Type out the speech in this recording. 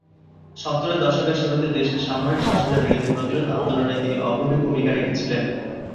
সত্তরের দশকের শুরুতে দেশে সামরিক শাসনের বিরুদ্ধে প্রতিরোধ আন্দোলনে তিনি অগ্রণী ভূমিকা রেখেছিলেন।